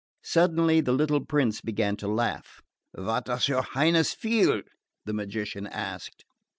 Suddenly the little prince began to laugh. "What does your Highness feel?" the magician asked.